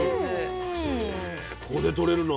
ここでとれるの？